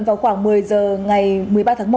vào khoảng một mươi giờ ngày một mươi ba tháng một